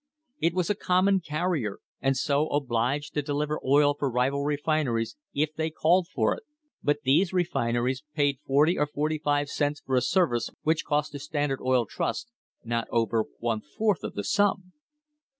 It was a common carrier, and so obliged to deliver oil to rival refineries if they called for it, but these refineries paid forty or forty five cents for a service which cost the Standard Oil Trust not over one fourth of the sum.